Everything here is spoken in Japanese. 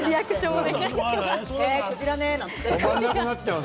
クジラねぇって。